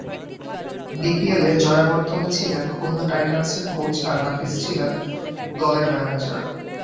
বিপিএলে জয়াবর্ধনে ছিলেন খুলনা টাইটানসের কোচ আর নাফিস ছিলেন দলের ম্যানেজার।